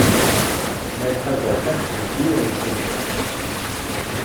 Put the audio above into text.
Malḥa Baḥa tkeyyef yiwen n usigaṛ.